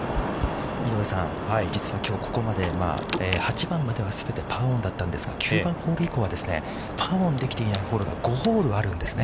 ◆井上さん、実は、きょう、ここまで８番までは全てパーオンでしたが９番ホール以降は、パーオンできていないホールが５ホールあるんですよね。